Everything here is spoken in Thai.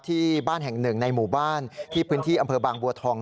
ที่บ้านแห่งหนึ่งในหมู่บ้านที่พื้นที่อำเภอบางบัวทอง